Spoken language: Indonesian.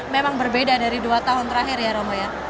memang berbeda dari dua tahun terakhir ya romo ya